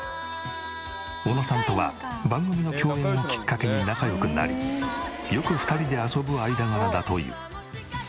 小野さんとは番組の共演をきっかけに仲良くなりよく２人で遊ぶ間柄だという。